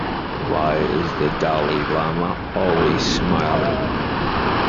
Why is the Dalai Lama Always Smiling?